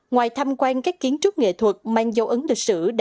ngoài tham quan các kiến trúc nghệ thuật mang dấu ấn lịch sử